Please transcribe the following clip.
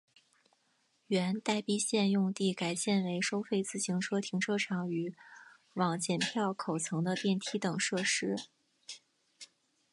原待避线用地改建为收费自行车停车场与往剪票口层的电梯等设施。